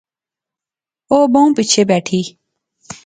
او بہوں پیچھے بیٹھی